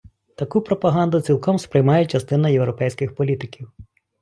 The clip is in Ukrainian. Таку пропаганду цілком сприймає частина європейських політиків.